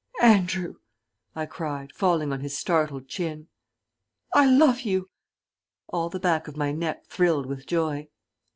"Andrew," I cried, falling on his startled chin, "I love you." All the back of my neck thrilled with joy.